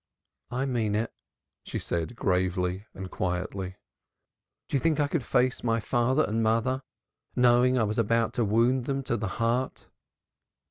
"I mean it," she said gravely and quietly. "Do you think I could face my father and mother, knowing I was about to wound them to the heart?